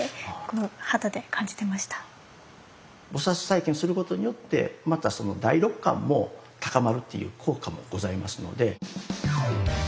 菩体験をすることによってまた第六感も高まるっていう効果もございますので。